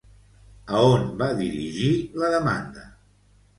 A on va dirigir la demanda?